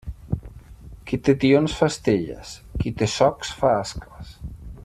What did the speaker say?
Qui té tions fa estelles; qui té socs fa ascles.